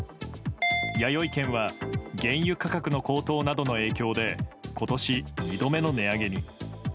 やよい軒は原油価格の高騰などの影響で今年２度目の値上げに。